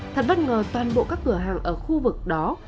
thật bất ngờ toàn bộ các cửa hàng ở khu vực đó